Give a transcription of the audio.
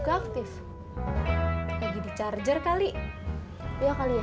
lagi di charger kali ya kali ya